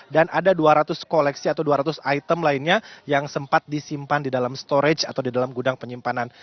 dan ada dua ratus koleksi atau dua ratus item lainnya yang sempat disimpan di dalam storage atau di dalam gudang penyimpanan